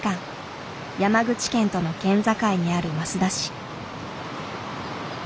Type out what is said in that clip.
山口県との県境にある益田市。